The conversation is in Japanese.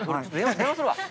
電話するわ。